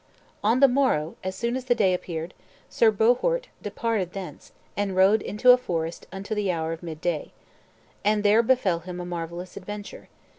On the morrow, as soon as the day appeared, Sir Bohort departed thence, and rode into a forest unto the hour of midday. And there befell him a marvellous adventure.